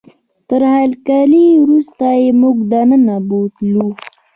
تر هرکلي وروسته یې موږ دننه بوتلو.